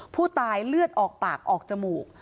ผู้ตายเลือดออกปากออกจมูก